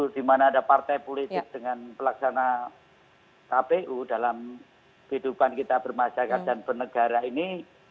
di mana ada partai politik dengan pelaksana kpu dalam kehidupan kita bermasyarakat dan bernegara ini